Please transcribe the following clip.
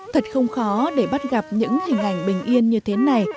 thật không khó để bắt gặp những hình ảnh bình yên như thế này